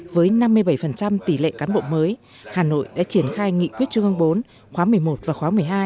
với năm mươi bảy tỷ lệ cán bộ mới hà nội đã triển khai nghị quyết trung ương bốn khóa một mươi một và khóa một mươi hai